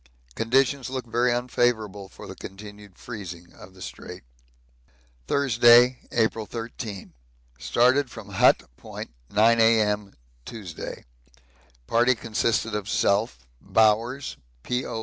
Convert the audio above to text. Conditions look very unfavourable for the continued freezing of the Strait. Thursday, April 13. Started from Hut Point 9 A.M. Tuesday. Party consisted of self, Bowers, P.O.